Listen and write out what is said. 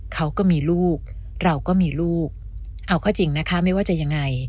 เขาก็มีลูกเราก็มีลูกเอาเข้าจริงนะคะไม่ว่าจะยังไง